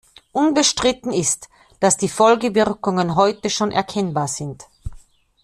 Unbestritten ist, dass die Folgewirkungen heute schon erkennbar sind.